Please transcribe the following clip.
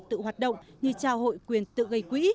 tự hoạt động như trao hụi quyền tự gây quỹ